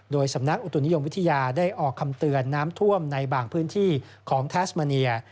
โดยสำนักอุตุนิยมวิทยาได้ออกคำเตือนน้ำท่วมในบางพื้นที่ของแทสมาเนีย